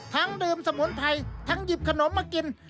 ดื่มสมุนไพรทั้งหยิบขนมมากิน